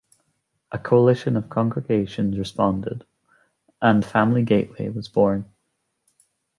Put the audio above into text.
A coalition of congregations responded, and Family Gateway was born.